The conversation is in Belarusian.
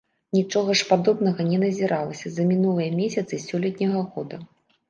Нічога ж падобнага не назіралася за мінулыя месяцы сёлетняга года.